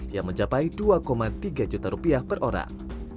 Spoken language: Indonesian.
yang mencapai dua tiga juta rupiah per orang